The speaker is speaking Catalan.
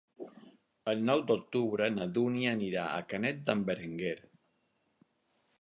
El nou d'octubre na Dúnia anirà a Canet d'en Berenguer.